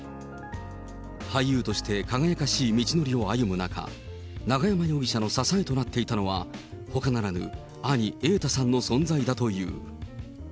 俳優として輝かしい道のりを歩む中、永山容疑者の支えとなっていたのは、ほかならぬ兄、瑛太さんの存在だったという。